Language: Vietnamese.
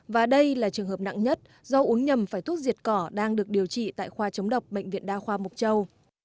và đây là trường hợp nặng nhất do uống nhầm phải thuốc diệt cỏ đang được điều trị tại khoa chống độc bệnh viện đa khoa mộc châu